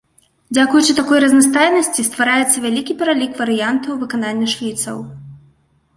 Дзякуючы такому разнастайнасці ствараецца вялікі пералік варыянтаў выканання шліцаў.